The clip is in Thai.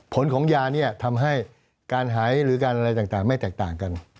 ผลของยาเนี่ยทำให้การหายหรือการอะไรต่างไม่แตกต่างกัน